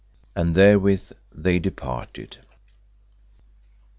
And therewith they departed.